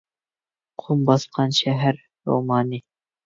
«قۇم باسقان شەھەر» رومانى